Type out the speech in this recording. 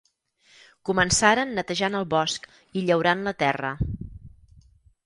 Començaren netejant el bosc i llaurant la terra.